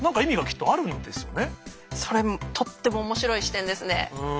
それもとっても面白い視点ですね。